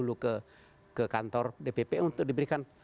kalau mereka kembali dulu ke kantor dpp untuk diberi